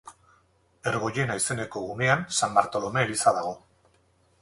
Ergoiena izeneko gunean San Bartolome eliza dago.